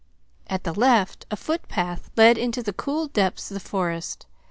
At the left a footpath led into the cool depths of the forest.